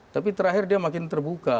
tapi terakhir dia makin terbuka